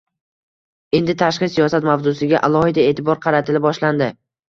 Endi tashqi siyosat mavzusiga alohida e’tibor qaratila boshlandi.